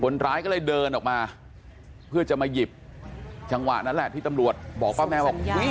ร้ายก็เลยเดินออกมาเพื่อจะมาหยิบจังหวะนั้นแหละที่ตำรวจบอกป้าแมวบอก